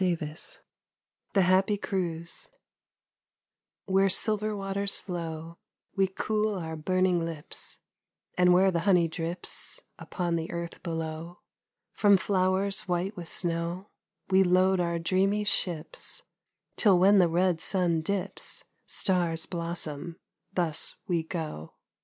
44 THE HAPPY CRUISE WHERE silver waters flow, We cool our burning lips, And where the honey drips Upon the earth below From flowers white with snow, We load our dreamy ships, Till when the red sun dips, Stars blossom, thus we go